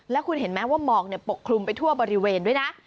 แล้วคุณเห็นไหมว่าหมอกปกคลุมไปทั่วบริเวณด้วยนะ